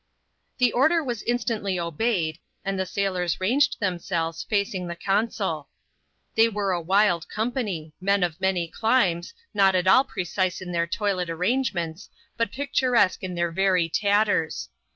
^OE order was instantly obeyed, and the sailors ranged them slyes, facing the consul. They were a wild company ; men of many climes — not at all recise in their toilet arrangements, but picturesque in their ery tatters.